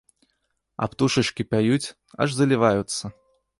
А птушачкі пяюць, аж заліваюцца!